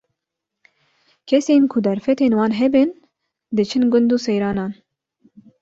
Kesên ku derfetên wan hebin, diçin gund û seyranan.